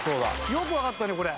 よくわかったねこれ。